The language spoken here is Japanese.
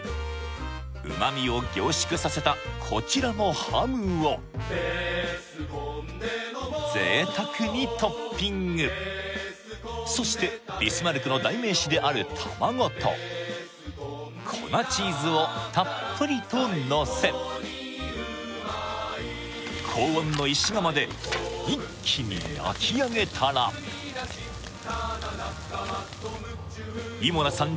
こちらのハムを贅沢にトッピングそしてビスマルクの代名詞である卵と粉チーズをたっぷりとのせ高温の石窯で一気に焼き上げたらＩＭＯＬＡさん